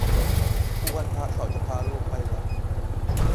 ทุกวันพระเขาจะพาลูกไปวัด